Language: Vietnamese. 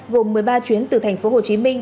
gồm một mươi ba chuyến từ thành phố hồ chí minh